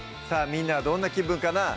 みんなはどんな気分かなぁ